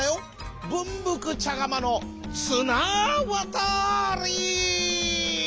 ぶんぶくちゃがまのつなわたり」。